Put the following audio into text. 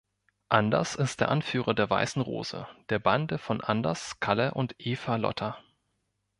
Anders ist der Anführer der Weißen Rose, der Bande von Anders, Kalle und Eva-Lotta.